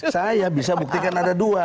saya bisa buktikan ada dua